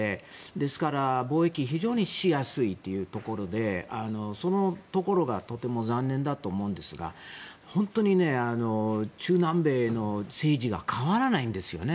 ですから、貿易非常にしやすいというところでそのところがとても残念だと思うんですが本当に中南米の政治が変わらないんですよね。